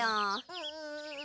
うん。